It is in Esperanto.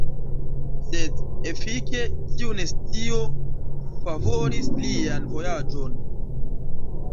Sed efike tiu nescio favoris lian vojaĝon.